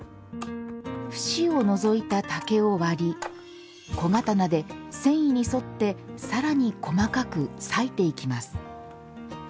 節を除いた竹を割り小刀で繊維に沿ってさらに細かく割いていきます